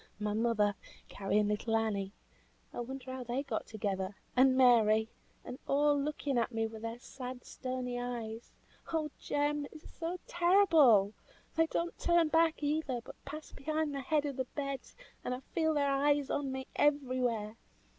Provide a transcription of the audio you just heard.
My mother, carrying little Annie (I wonder how they got together) and Mary and all looking at me with their sad, stony eyes; oh Jem! it is so terrible! They don't turn back either, but pass behind the head of the bed, and I feel their eyes on me everywhere.